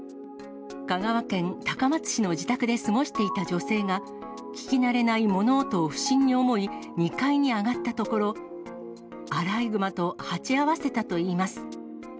香川県高松市の自宅で過ごしていた女性が、聞き慣れない物音を不審に思い、２階に上がったところ、アライグマと鉢合わせたといいます。